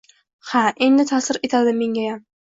Ha, endi ta’sir etadi mengayam